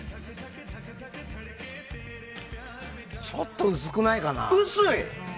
ちょっと薄くないかな？